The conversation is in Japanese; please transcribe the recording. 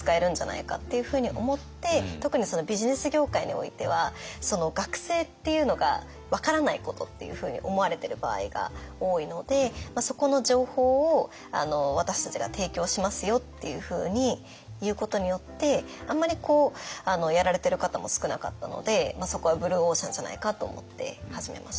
特にビジネス業界においては学生っていうのが分からないことっていうふうに思われてる場合が多いのでそこの情報を私たちが提供しますよっていうふうに言うことによってあんまりやられてる方も少なかったのでそこはブルーオーシャンじゃないかと思って始めました。